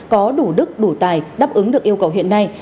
có đủ đức đủ tài đáp ứng được yêu cầu hiện nay